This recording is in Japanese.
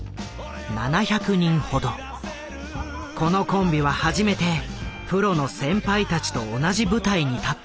このコンビは初めてプロの先輩たちと同じ舞台に立った。